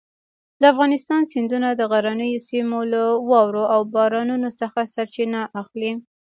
د افغانستان سیندونه د غرنیو سیمو له واورو او بارانونو څخه سرچینه اخلي.